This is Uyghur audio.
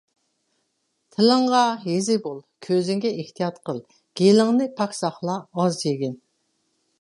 تىلىڭغا ھېزى بول، كۆزۈڭگە ئېھتىيات قىل. گېلىڭنى پاك ساقلا، ئاز يېگىن.